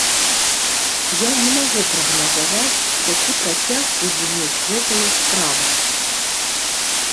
Я не магу прагназаваць, які працяг будзе мець гэтая справа.